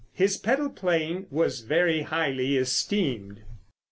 His pedal playing was very highly esteemed.